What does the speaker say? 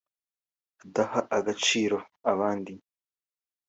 adaha agaciro abandi